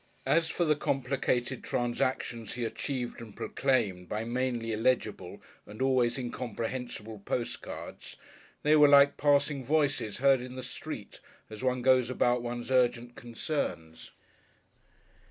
As for the complicated transactions he achieved and proclaimed by mainly illegible and always incomprehensible postcards, they were like passing voices heard in the street as one goes about one's urgent concerns.